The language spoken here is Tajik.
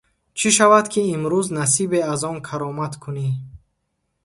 Чӣ шавад, ки имрӯз насибе аз он каромат кунӣ?